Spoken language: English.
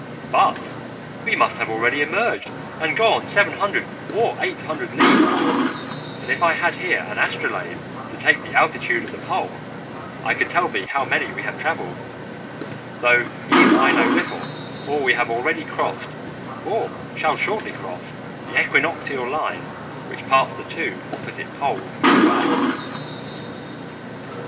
But we must have already emerged and gone seven hundred or eight hundred leagues; and if I had here an astrolabe to take the altitude of the pole, I could tell thee how many we have travelled, though either I know little, or we have already crossed or shall shortly cross the equinoctial line which parts the two opposite poles midway."